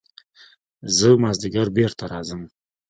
زه مازديګر بېرته راځم.